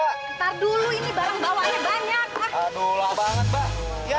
ntar dulu ini barang bawahnya banyak